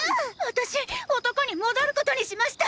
私男に戻ることにしました！！